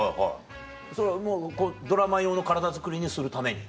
それはもうドラマ用の体づくりにするために？